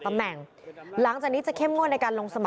พตรพูดถึงเรื่องนี้ยังไงลองฟังกันหน่อยค่ะ